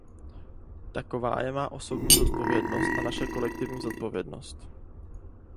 Taková je má osobní zodpovědnost a naše kolektivní zodpovědnost.